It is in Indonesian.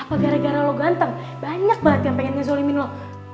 kalau gara gara lo ganteng banyak banget yang pengen ngezolimin lo